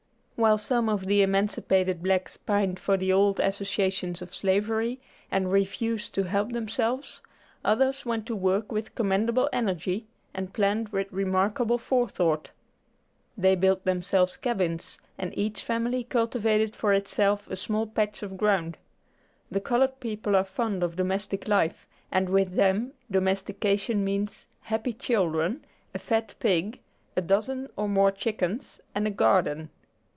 While some of the emancipated blacks pined for the old associations of slavery, and refused to help themselves, others went to work with commendable energy, and planned with remarkable forethought. They built themselves cabins, and each family cultivated for itself a small patch of ground. The colored people are fond of domestic life, and with them domestication means happy children, a fat pig, a dozen or more chickens, and a garden.